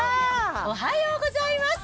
おはようございます。